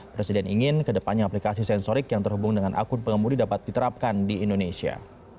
presiden ingin kedepannya aplikasi sensorik yang terhubung dengan akun pengemudi dapat diterapkan di indonesia